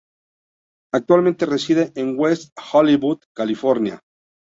Actualmente reside en West Hollywood, California.